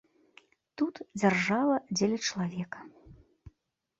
Тут дзяржава дзеля чалавека.